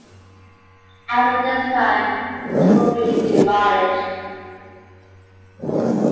After this time, it would be demolished.